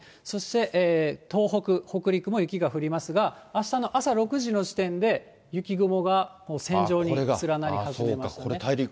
そして東北、北陸も雪が降りますが、あしたの朝６時の時点で、雪雲がもう線状に連なり始めますよね。